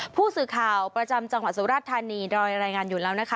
ผู้สื่อข่าวประจำจังหวัดสุราชธานีดอยรายงานอยู่แล้วนะคะ